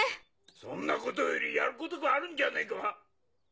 そんなことよりやることがあるんじゃねえか？